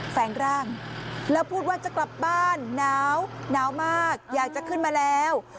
แฝงร่างแล้วพูดว่าจะกลับบ้านหนาวหนาวมากอยากจะขึ้นมาแล้ว